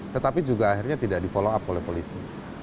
tetapi juga akhirnya tidak di follow up oleh polisi